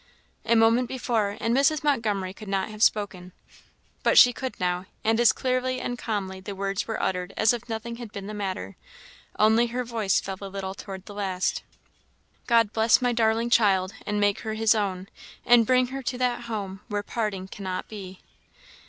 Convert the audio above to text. A moment before, and Mrs. Montgomery could not have spoken. But she could now; and as clearly and calmly the words were uttered as if nothing had been the matter, only her voice fell a little toward the last. "God bless my darling child! and make her his own and bring her to that home where parting cannot be!"